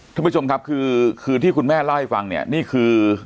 ท่านผู้ชมครับคือที่คุณแม่เล่าให้ฟังเนี่ยนี่คือ